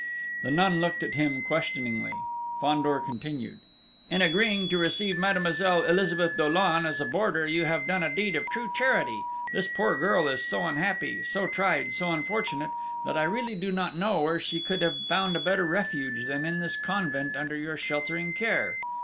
The nun looked at him questioningly. Fandor continued: "In agreeing to receive Mademoiselle Elizabeth Dollon as a boarder, you have done a deed of true charity: this poor girl is so unhappy, so tried, so unfortunate, that I really do not know where she could have found a better refuge than in this convent under your sheltering care....